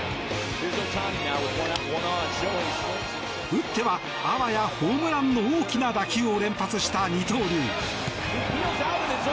打っては、あわやホームランの大きな打球を連発した二刀流。